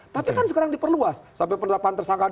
tapi kan sekarang diperluas sampai penetapan tersangka